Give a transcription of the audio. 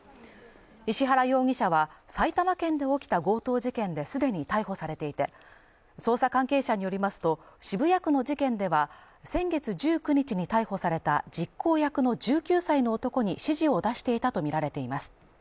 石原容疑者は、埼玉県で起きた強盗事件で既に逮捕されていて、捜査関係者によりますと、渋谷区の事件では、先月１９日に逮捕された実行役の１９歳の男に指示を出していたとみられています。